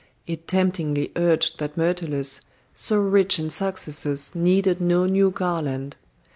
It temptingly urged that Myrtilus, so rich in successes, needed no new garland.